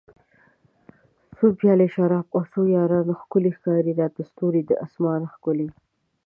څو پیالۍ شراب او څو یاران ښکلي ښکاري راته ستوري د اسمان ښکلي